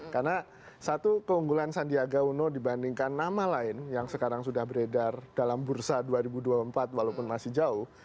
karena satu keunggulan sandiaga uno dibandingkan nama lain yang sekarang sudah beredar dalam bursa dua ribu dua puluh empat walaupun masih jauh